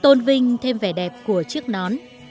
tôn vinh thêm vẻ đẹp của chiếc nón